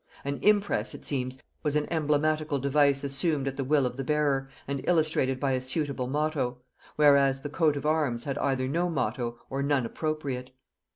An impress, it seems, was an emblematical device assumed at the will of the bearer, and illustrated by a suitable motto; whereas the coat of arms had either no motto, or none appropriate.